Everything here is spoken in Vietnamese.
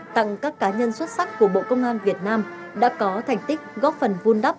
tặng các cá nhân xuất sắc của bộ công an việt nam đã có thành tích góp phần vun đắp